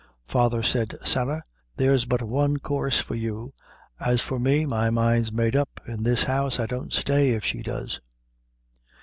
"Father," said Sarah, "there's but one coorse for you; as for me, my mind's made up in this house I don't stay if she does."